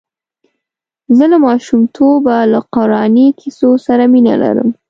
زه له ماشومتوبه له قراني کیسو سره مینه لرم.